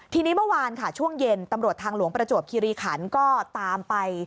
ทีนี้เมื่อวานค่ะช่วงเย็นตำรวจทางหลวงประจวบคิริขันก็ตามไป